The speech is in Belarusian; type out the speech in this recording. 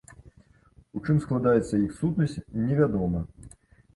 У чым складаецца іх сутнасць, невядома.